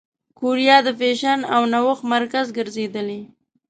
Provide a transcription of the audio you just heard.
کوریا د فېشن او نوښت مرکز ګرځېدلې.